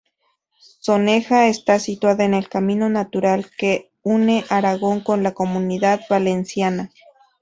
Soneja está situada en el camino natural que une Aragón con la Comunidad Valenciana.